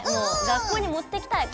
学校に持っていきたい